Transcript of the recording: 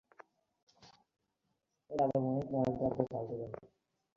আমি এখন আমার ছেলে পোরাসকে ভয় পাই।